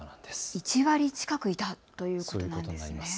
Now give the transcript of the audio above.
１割近くいたということになります。